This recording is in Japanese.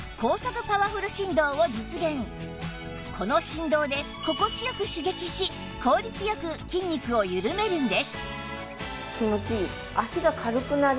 この振動で心地よく刺激し効率よく筋肉を緩めるんです